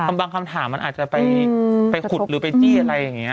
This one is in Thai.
บางคำถามมันอาจจะไปขุดหรือไปจี้อะไรอย่างนี้